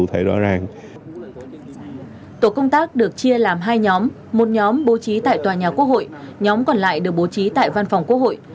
hai nhóm một nhóm bố trí tại tòa nhà quốc hội nhóm còn lại được bố trí tại văn phòng quốc hội